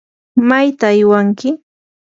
¿mayta aywanki?